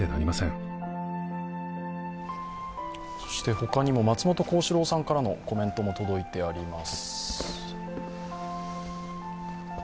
他にも松本幸四郎さんからのコメントも届いております。